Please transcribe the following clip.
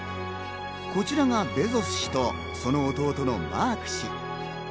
こちらがベゾス氏とその弟のマーク氏。